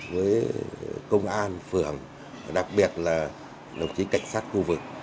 với công an phường và đặc biệt là đồng chí cảnh sát khu vực